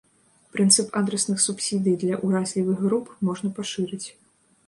Прынцып адрасных субсідый для уразлівых груп можна пашырыць.